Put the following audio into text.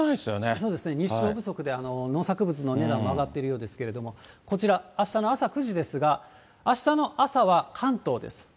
そうですね、日照不足で農作物の値段も上がっているようですけれども、こちら、あしたの朝９時ですが、あしたの朝は関東です。